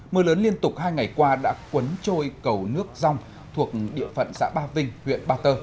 mưa lớn liên tục hai ngày qua đã quấn trôi cầu nước rong thuộc địa phận xã ba vinh huyện ba tơ